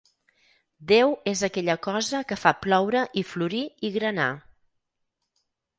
Déu és aquella cosa que fa ploure i florir i granar.